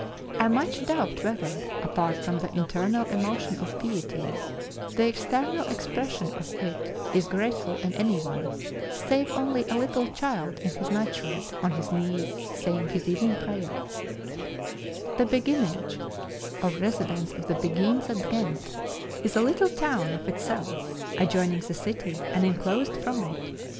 I much doubt whether, apart from the internal emotion of piety, the external expression of it is graceful in anyone, save only a little child in his night shirt, on his knees, saying his evening prayer The Beguinage, or residence of the Beguines at Ghent, is a little town of itself, adjoining the city, and inclosed from it.